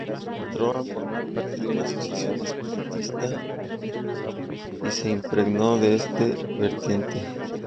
Entró a formar parte de una asociación espiritista y se impregnó de esta vertiente.